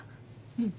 うん。